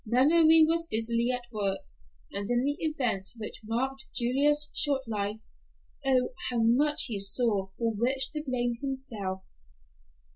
Memory was busily at work, and in the events which marked Julia's short life, oh, how much he saw for which to blame himself.